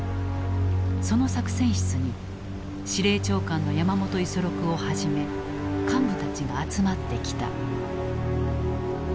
その作戦室に司令長官の山本五十六をはじめ幹部たちが集まってきた。